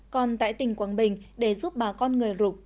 còn tại tỉnh quảng bình để giúp bà con người rục